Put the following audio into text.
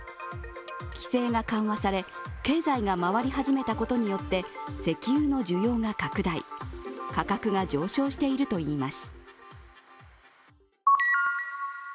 規制が緩和され、経済が回り始めたことによって石油の需要が拡大、価格が上昇しているといいます。